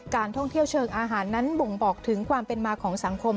การท่องเที่ยวเชิงอาหารนั้นบ่งบอกถึงความเป็นมาของสังคม